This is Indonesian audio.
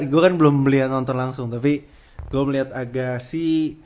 gua kan belum melihat nonton langsung tapi gua melihat agassi